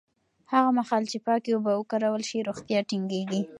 هغه مهال چې پاکې اوبه وکارول شي، روغتیا ټینګېږي.